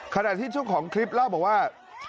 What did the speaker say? ขนาดที่ช่วงของคลิปเราก็บอกว่า